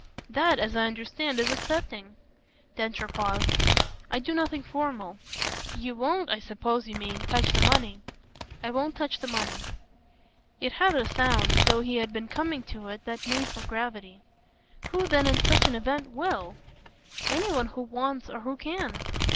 "That, as I understand, is accepting." Densher paused. "I do nothing formal." "You won't, I suppose you mean, touch the money." "I won't touch the money." It had a sound though he had been coming to it that made for gravity. "Who then in such an event WILL?" "Any one who wants or who can."